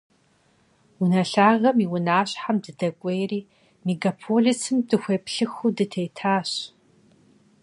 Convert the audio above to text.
Унэ лъагэм и унащхьэм дыдэкӏуейри, мегаполисым дыхуеплъыхыу дытетащ.